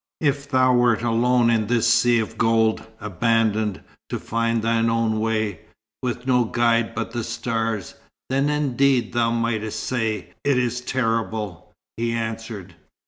"If thou wert alone in this sea of gold, abandoned, to find thine own way, with no guide but the stars, then indeed thou mightst say 'it is terrible,'" he answered.